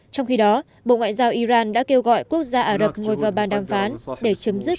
trong khi đó bộ ngoại giao iran đã kêu gọi quốc gia ả rập ngồi vào bàn đàm phán để chấm dứt